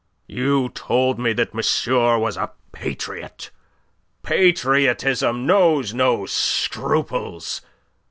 "You told me monsieur was a patriot. Patriotism knows no scruples.